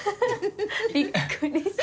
びっくりした。